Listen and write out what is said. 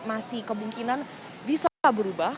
masih kemungkinan bisa berubah